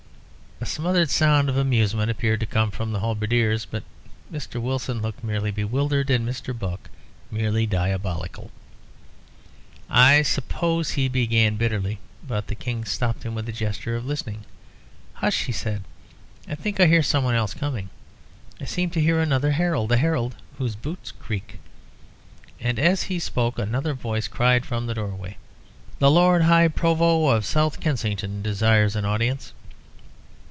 A smothered sound of amusement appeared to come from the halberdiers, but Mr. Wilson looked merely bewildered, and Mr. Buck merely diabolical. "I suppose," he began bitterly, but the King stopped him with a gesture of listening. "Hush," he said, "I think I hear some one else coming. I seem to hear another herald, a herald whose boots creak." As he spoke another voice cried from the doorway "The Lord High Provost of South Kensington desires an audience."